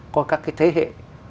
có các cái thế hệ